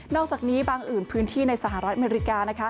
อกจากนี้บางอื่นพื้นที่ในสหรัฐอเมริกา